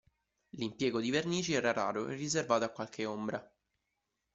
L'impiego di vernici era raro e riservato a qualche ombra.